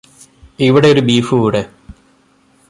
ഇവിടെയൊരു ബീഫ് കൂടെ.